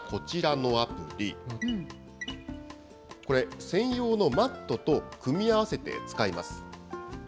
これ、専用のマットと組み合わせて使います。